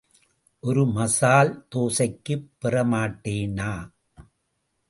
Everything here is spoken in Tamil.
ஒரு மசால் தோசைக்குப் பெறமாட்டேனா?